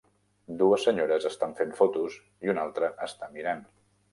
Dues senyores estan fent fotos i una altra està mirant.